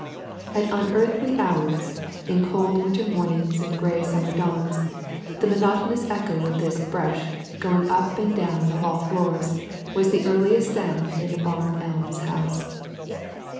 At unearthly hours, in cold winter mornings and gray summer dawns, the monotonous echo of this "bresh" going up and down the hall floors was the earliest sound in the Barn Elms house.